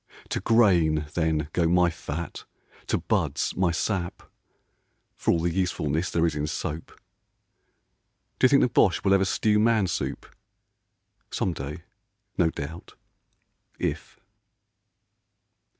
To grain, then, go my fat, to buds my sap, For all the usefulness there is in soap. D'you think the Boche will ever stew man soup ? Some day, no doubt, if